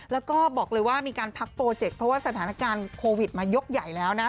แล้วก็บอกเลยว่ามีการพักโปรเจกต์เพราะว่าสถานการณ์โควิดมายกใหญ่แล้วนะ